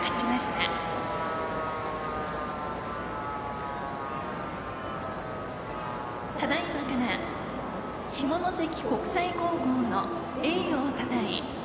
ただいまから下関国際高校の栄誉をたたえ